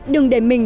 đừng để mình